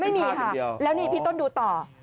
ไม่มีค่ะแล้วนี่พี่ต้นดูต่อ